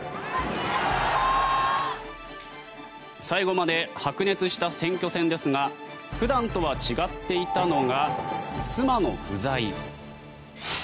最後まで白熱した選挙戦ですが普段とは違っていたのが妻の不在。